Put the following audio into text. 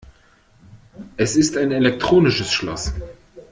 Es ist ein elektronisches Schloss.